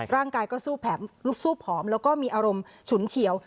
ร่างกายก็สู้ผอมแล้วก็มีอารมณ์ฉุนเฉียว